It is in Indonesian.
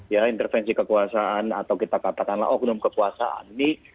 ya intervensi kekuasaan atau kita katakanlah oknum kekuasaan ini